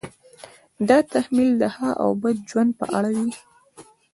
دا تحمیل د ښه او بد ژوند په اړه وي.